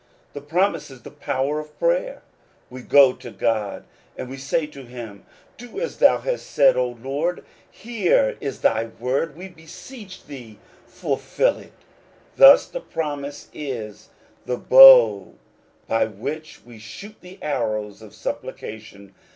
The promise is the power of prayer. We go to God, and we say to him, " Do as thou hast said. Lord, here is thy word ; we beseech thee fulfil it." Thus the promise is the bow by which we shoot the arrows of supplication.